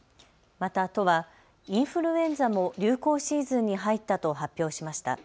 また、都はインフルエンザの流行シーズンに入ったと発表しました。